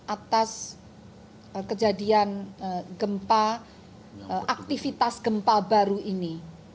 atas kejadian gempa aktivitas gempa baru ini